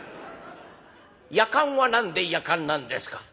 「やかんは何でやかんなんですか？」。